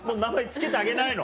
付けてあげないの？